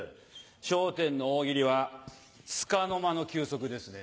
『笑点』の大喜利はツカの間の休息ですね。